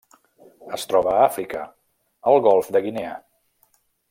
Es troba a Àfrica: el Golf de Guinea.